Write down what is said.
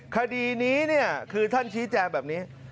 คดีนี้เนี่ยคือท่านชี้แจงแบบนี้